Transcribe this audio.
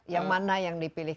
yang mana yang dipilih